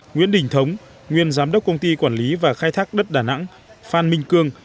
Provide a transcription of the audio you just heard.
nguyễn đình thống nguyên giám đốc công ty quản lý và khai thác đất đà nẵng phan minh cương